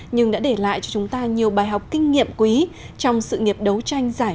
nhưng đã để lại cho chúng ta nhiều bài học kinh nghiệm quý trong sự nghiệp đấu tranh giải